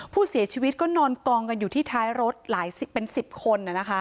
ผู้เสียชีวิตก็นอนกองกันอยู่ที่ท้ายรถหลายเป็น๑๐คน